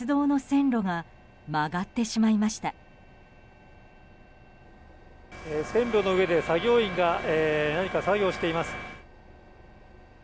線路の上で作業員が何か作業をしています。